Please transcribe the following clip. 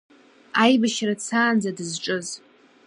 Аибашьра дцаанӡа дызҿыз…